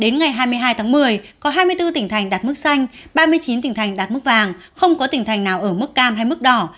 đến ngày hai mươi hai tháng một mươi có hai mươi bốn tỉnh thành đạt mức xanh ba mươi chín tỉnh thành đạt mức vàng không có tỉnh thành nào ở mức cam hay mức đỏ